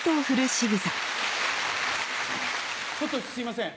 ちょっとすいません。